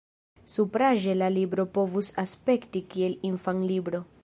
Supraĵe la libro povus aspekti kiel infanlibro.